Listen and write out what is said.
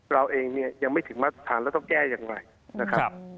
เราเองเนี่ยยังไม่ถึงมาตรฐานแล้วต้องแก้อย่างไรนะครับ